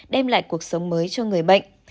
đem lại cuộc sống mới cho người bệnh